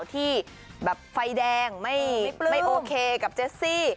ที่แบบไฟแดงไม่โอเคกับเจสซี่